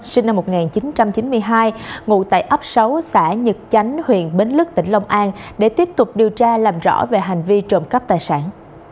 sinh năm một nghìn chín trăm chín mươi hai ngụ tại ấp sáu xã nhật chánh huyện bến lức tỉnh long an để tiếp tục điều tra làm rõ về hành vi trộm cắp tài sản